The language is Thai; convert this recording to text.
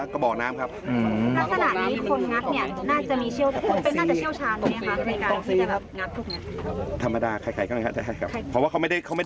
คนที่จะแสวงหาเอาเงินครับ